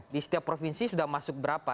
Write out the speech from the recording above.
di setiap provinsi sudah masuk berapa